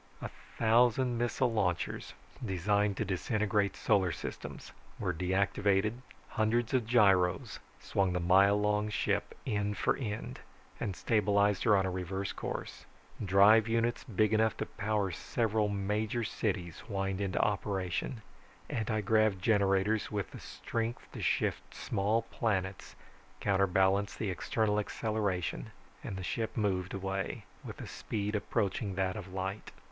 A thousand missile launchers, designed to disintegrate solar systems, were deactivated, hundreds of gyros swung the mile long ship end for end and stabilized her on a reverse course, drive units big enough to power several major cities whined into operation, anti grav generators with the strength to shift small planets counterbalanced the external acceleration, and the ship moved, away, with a speed approaching that of light.